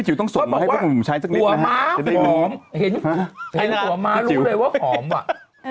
เห็นหัวม้ารู้เลยว่าฟอร์มว่ะ